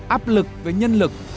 áp lực về nhân lực